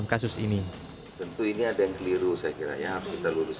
sebagai saksi untuk tersangka seyfuddin